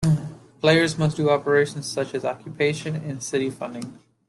Players must do operations such as occupation and city funding.